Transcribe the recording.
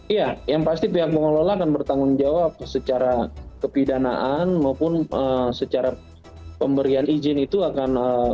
iya yang pasti pihak pengelola akan bertanggung jawab secara kepidanaan maupun secara pemberian izin itu akan